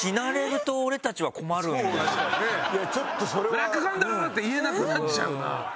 「ブラックコンドル！」って言えなくなっちゃうな。